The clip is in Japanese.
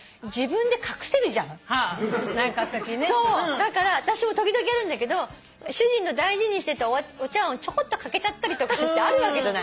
だから私も時々やるんだけど主人の大事にしてたお茶わんをちょこっと欠けちゃったりとかあるわけじゃない？